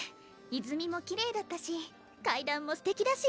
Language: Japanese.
泉もきれいだったし階段もステキだし。